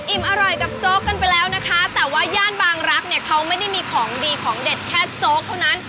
อร่อยกับโจ๊กกันไปแล้วนะคะแต่ว่าย่านบางรักเนี่ยเขาไม่ได้มีของดีของเด็ดแค่โจ๊กเท่านั้น